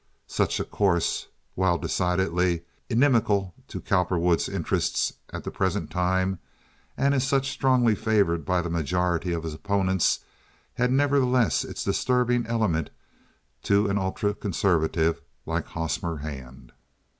Such a course, while decidedly inimical to Cowperwood's interests at the present time, and as such strongly favored by the majority of his opponents, had nevertheless its disturbing elements to an ultra conservative like Hosmer Hand.